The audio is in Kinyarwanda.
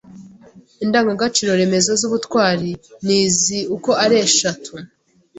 Indangagaciro remezo z’ubutwari ni izi uko ari eshatu: